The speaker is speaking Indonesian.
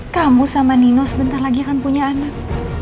kamu sama nino sebentar lagi akan punya anak